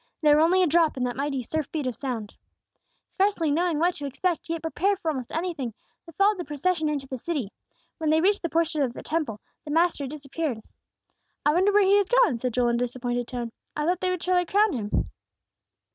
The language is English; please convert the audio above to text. They were only a drop in that mighty surf beat of sound. Scarcely knowing what to expect, yet prepared for almost anything, they followed the procession into the city. When they reached the porch of the Temple, the Master had disappeared. "I wonder where He has gone," said Joel, in a disappointed tone. "I thought they would surely crown Him."